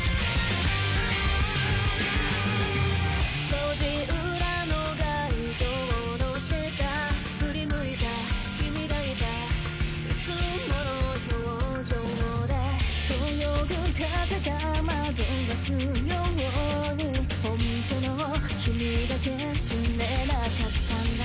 路地裏の街頭の下振り向いた君がいたいつもの表情でそよぐ風が惑わすように本当の君だけ知れなかったんだ